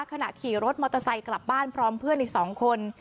ขณะขี่รถมอเตอร์ไซค์กลับบ้านพร้อมเพื่อนอีก๒คน